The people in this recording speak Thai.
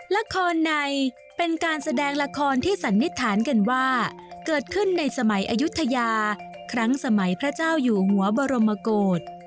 ละครในเป็นการแสดงละครที่สันนิษฐานกันว่าเกิดขึ้นในสมัยอายุทยาครั้งสมัยพระเจ้าอยู่หัวบรมกฏ